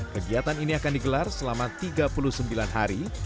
kegiatan ini akan digelar selama tiga puluh sembilan hari